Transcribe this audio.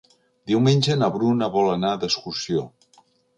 Diumenge na Bruna vol anar d'excursió.